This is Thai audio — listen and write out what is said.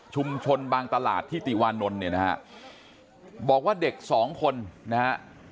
บางตลาดที่ติวานนท์เนี่ยนะฮะบอกว่าเด็กสองคนนะฮะ